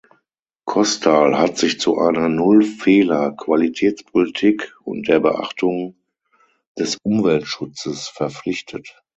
Kostal hat sich zu einer Null-Fehler-Qualitätspolitik und der Beachtung des Umweltschutzes verpflichtet.